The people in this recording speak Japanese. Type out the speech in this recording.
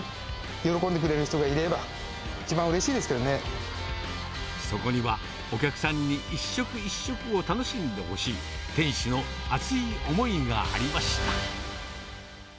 喜んでくれる人がいれば、一番うそこには、お客さんに一食一食を楽しんでほしい、店主の熱い思いがありました。